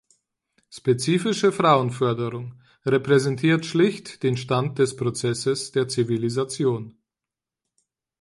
Spezifische Frauenförderung repräsentiert schlicht den Stand des Prozesses der Zivilisation.